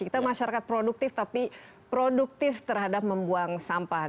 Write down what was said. kita masyarakat produktif tapi produktif terhadap membuang sampah